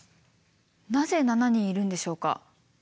なぜ７人いるんでしょうか？